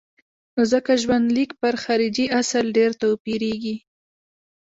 نو ځکه ژوندلیک پر خارجي اصل ډېر توپیرېږي.